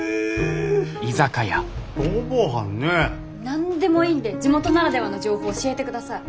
何でもいいんで地元ならではの情報教えて下さい。